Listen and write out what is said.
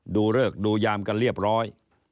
เลิกดูยามกันเรียบร้อย